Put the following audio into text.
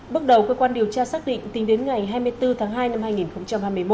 bước đầu cơ quan điều tra xác định tính đến ngày hai mươi bốn tháng hai năm hai nghìn hai mươi một